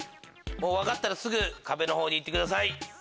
分かったらすぐ壁の方に行ってください。